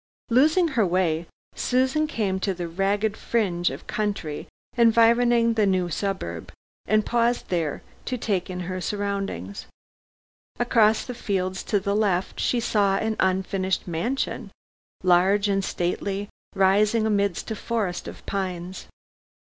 Losing her way, Susan came to the ragged fringe of country environing the new suburb, and paused there, to take in her surroundings. Across the fields to the left she saw an unfinished mansion, large and stately, rising amidst a forest of pines.